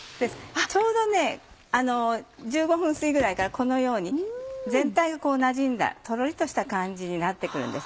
ちょうど１５分過ぎぐらいからこのように全体がなじんだとろりとした感じになって来るんです。